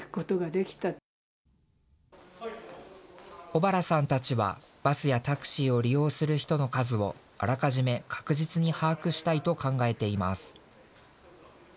小原さんたちはバスやタクシーを利用する人の数をあらかじめ確実に把握したいと考えています。